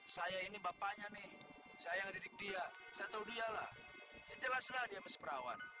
saya tahu dia lah yang jelas lah dia masih perawan